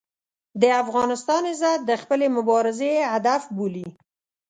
د افغانستان عزت د خپلې مبارزې هدف بولي.